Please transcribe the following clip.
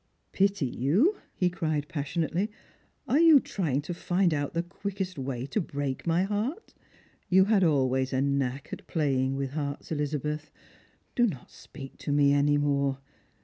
'* Pity you !" he cried passionately. " Are you trying to find out the quickest way to break my heart ? You had always a knack at playing with hearts, Elizabeth ; do not speak to me any more.